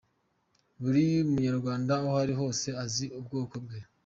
Buri munyarwanda aho ari hose azi ubwoko bwe.